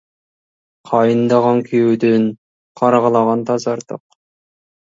Қайындаған күйеуден қарғылаған тазы артық.